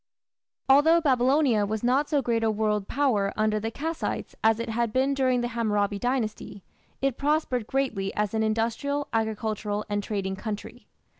Although Babylonia was not so great a world power under the Kassites as it had been during the Hammurabi Dynasty, it prospered greatly as an industrial, agricultural, and trading country.